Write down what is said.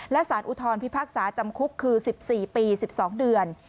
และสารอุทธรพิพากษาจำคุกคือ๑๔ปี๑๒เดือน